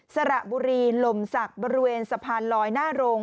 สระบุรีลมศักดิ์บริเวณสะพานลอยหน้าโรง